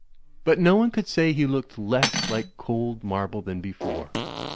But no one could say he looked less like cold marble than before.